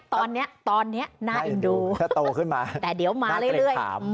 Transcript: ถ้าโตขึ้นมาน่าเกร็งถามแต่เดี๋ยวมาเรื่อย